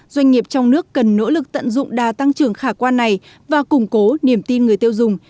doanh nghiệp trong nước cần nỗ lực tận dụng đa tăng trưởng khả quan này và củng cố niềm tin người tiêu dùng